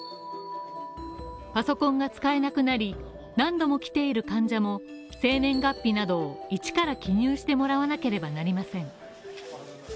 パソコンが使えなくなり、何度も来ている患者も生年月日などを１から記入してもらわなければなりません。